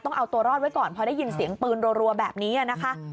ต้องเอาตัวรอดไว้ก่อนพอได้ยินเสียงปืนรัวแบบนี้นะคะ